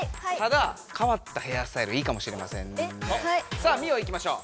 さあミオいきましょう。